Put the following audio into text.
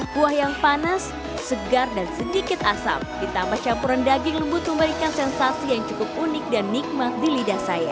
buah yang panas segar dan sedikit asam ditambah campuran daging lembut memberikan sensasi yang cukup unik dan nikmat di lidah saya